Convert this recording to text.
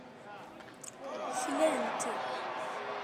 Klan-t.